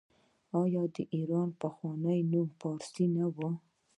آیا د ایران پخوانی نوم فارس نه و؟